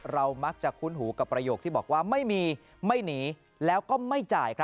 เรามักจะคุ้นหูกับประโยคที่บอกว่าไม่มีไม่หนีแล้วก็ไม่จ่าย